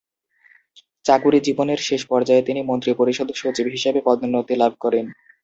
চাকুরি জীবনের শেষ পর্যায়ে তিনি মন্ত্রিপরিষদ সচিব হিসেবে পদোন্নতি লাভ করেন।